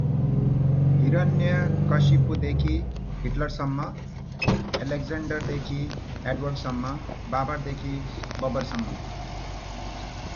हिरण्यकशिपुदेखि हिटलरसम्म, अलेक्जेन्डरदेखि एडवर्डसम्म, बाबरदेखि बबरसम्म